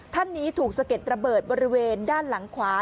ท่านนี้ถูกสะเก็ดระเบิดบริเวณด้านหลังขวา